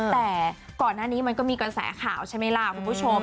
แต่ก่อนหน้านี้มันก็มีกระแสข่าวใช่ไหมล่ะคุณผู้ชม